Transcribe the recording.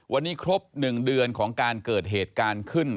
วันนี้ครบ๑เดือนของการเกิดเหตุการณ์ขึ้น